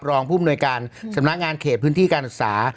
รองผู้มนวยการสำนักงานเขตพื้นที่การศึกษา